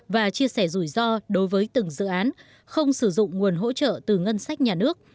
và chia sẻ rủi ro đối với từng dự án không sử dụng nguồn hỗ trợ từ ngân sách nhà nước